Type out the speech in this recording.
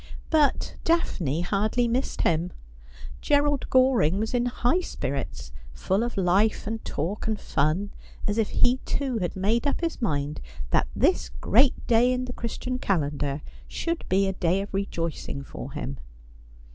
But Daphne hardly missed him. Gerald Goring was in high spirits, full of life and talk and fun, as if he too had made up his mind that this great day in the Christian calendar should be a day of rejoicing for him.